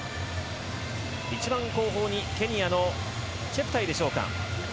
一番後方にケニアのチェプタイでしょうか。